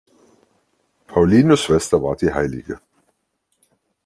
Paulinus Schwester war die Hl.